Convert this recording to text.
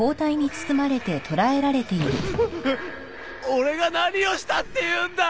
お俺が何をしたっていうんだ！